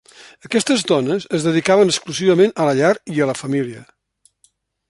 Aquestes dones es dedicaven exclusivament a la llar i a la família.